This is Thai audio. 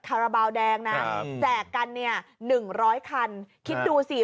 คาราบาลแดงนะครับแจกกันเนี่ยหนึ่งร้อยคันคิดดูสิ